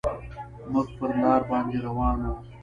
موږ پر لاره باندې روان وو.